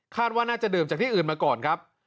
ว่าน่าจะดื่มจากที่อื่นมาก่อนครับ